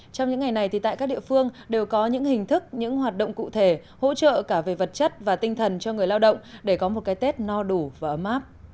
trong những ngày này thì tại các địa phương đều có những hình thức những hoạt động cụ thể hỗ trợ cả về vật chất và tinh thần cho người lao động để có một cái tết no đủ và ấm áp